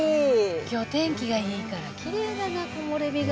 今日お天気がいいからきれいだな木漏れ日が。